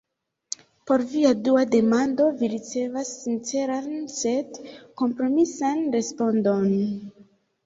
Por via dua demando vi ricevas sinceran sed kompromisan respondon.